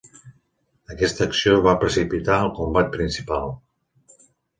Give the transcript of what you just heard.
Aquesta acció va precipitar el combat principal.